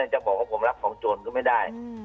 จะบอกว่าผมรับของโจรก็ไม่ได้